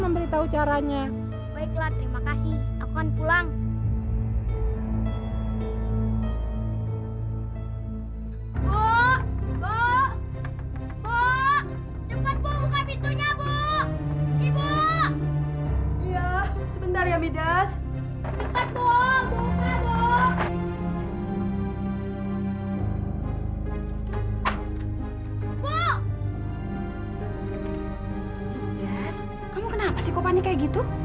memberitahu caranya baiklah terima kasih aku akan pulang oh oh oh cepet buka pintunya bu ibu